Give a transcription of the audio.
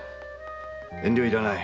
遠慮はいらない。